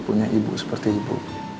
punya ibu seperti ibu